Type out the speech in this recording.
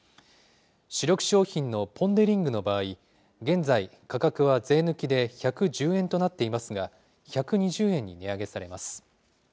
主力商品のポン・デ・リングの場合、現在、価格は税抜きで１１０円となっていますが、１２０円に値上げされます。